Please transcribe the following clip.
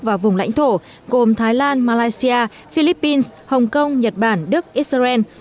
và vùng lãnh thổ gồm thái lan malaysia philippines hồng kông nhật bản đức israel